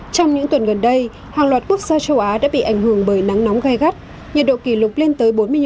trong những tuần gần đây hàng loạt quốc gia châu á đã bị ảnh hưởng bởi nắng nóng gai gắt